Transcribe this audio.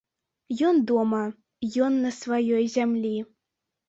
Ён дома, ён на сваёй зямлі!